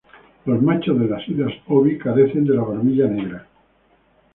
Los machos de las islas Obi carecen de la barbilla negra.